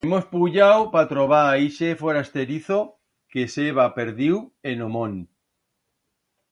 Hemos puyau pa trobar a ixe forasterizo que s'heba perdiu en o mont.